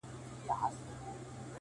د خدای لپاره په ژړه نه کيږي ؛؛